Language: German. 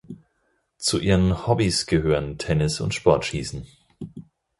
Zu ihren Hobbys gehören Tennis und Sportschießen.